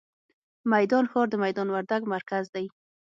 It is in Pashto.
میدان ښار، د میدان وردګ مرکز دی.